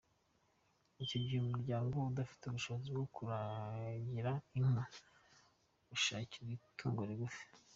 Icyo gihe umuryango udafite ubushobozi bwo kuragira inka ushakirwa itungo rigufi.